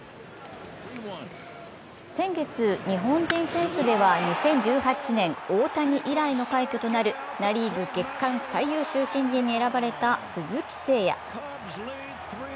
先月、日本人選手では２０１８年大谷以来の快挙となるナ・リーグ月間最優秀新人に選ばれた鈴木誠也。